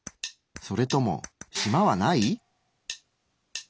それともしまはない？